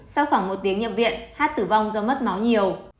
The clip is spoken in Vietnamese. sau khoảng một tiếng nhập viện hát tử vong do mất máu nhiều